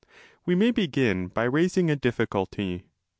We may begin by raising a difficulty.